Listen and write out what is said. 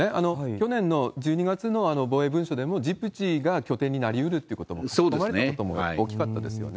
去年の１２月の防衛文書でも、ジブチが拠点になりうるということも大きかったですよね。